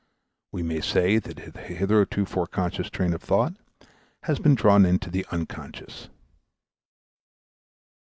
We may say that the hitherto foreconscious train of thought has been drawn into the unconscious.